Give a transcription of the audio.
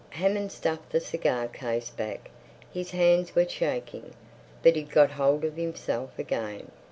Hammond stuffed the cigar case back. His hands were shaking, but he'd got hold of himself again.